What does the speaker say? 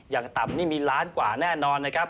อย่างต่ำนี่มีล้านกว่าแน่นอนนะครับ